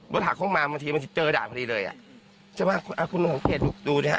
บทหาโค้งมาบางทีมันจะเจอด่านพอดีเลยอ่ะจะว่าอ่าคุณผู้ชมเขตดูดูดิฮะ